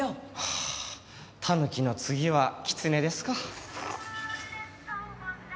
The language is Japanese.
はあタヌキの次はキツネですか。